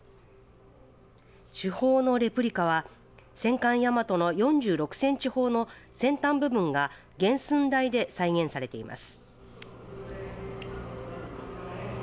主砲のレプリカは戦艦大和の４６センチ砲の先端部分が原寸大が再現されています。